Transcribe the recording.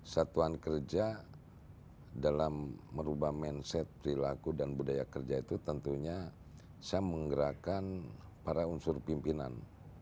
satuan kerja dalam merubah mindset perilaku dan budaya kerja itu tentunya saya menggerakkan para unsur pimpinan